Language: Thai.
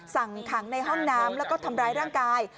สั่งขังในห้องน้ำแล้วก็ทำร้ายร่างกาย